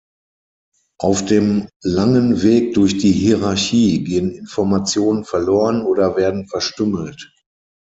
Auf dem langen Weg durch die Hierarchie gehen Informationen verloren oder werden verstümmelt.